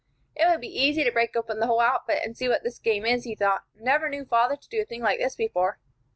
"It would be easy to break open the whole outfit, and see what this game is," he thought. "Never knew father to do a thing like this before.